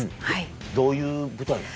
どういう舞台なの？